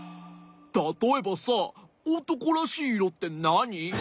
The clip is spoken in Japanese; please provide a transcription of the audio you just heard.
たとえばさおとこらしいいろってなに？